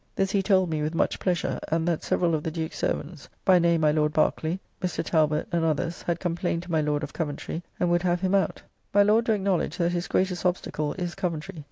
This he told me with much pleasure; and that several of the Duke's servants, by name my Lord Barkeley [of Stratton], Mr. Talbot, and others, had complained to my Lord, of Coventry, and would have him out. My Lord do acknowledge that his greatest obstacle is Coventry.